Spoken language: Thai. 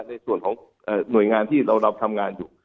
ในส่วนของหน่วยงานที่เราทำงานอยู่